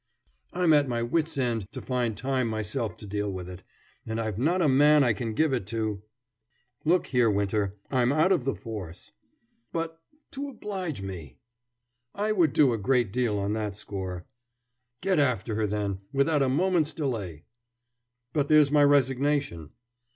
"I'm at my wits' end to find time myself to deal with it. And I've not a man I can give it to " "Look here, Winter, I'm out of the force." "But, to oblige me." "I would do a great deal on that score." "Get after her, then, without a moment's delay." "But there's my resignation."